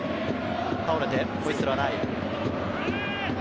倒れてホイッスルはない。